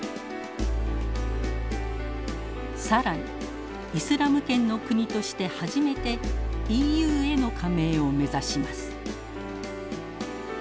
更にイスラム圏の国として初めてＥＵへの加盟を目指します。